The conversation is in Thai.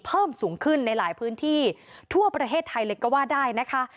เพิ่มสูงขึ้นในหลายพื้นที่ทั่วประเทศไทยเลยก็ว่าได้นะคะ